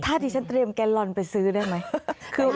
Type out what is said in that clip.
ถ้าดิฉันเตรียมแกลลอนไปซื้อได้ไหม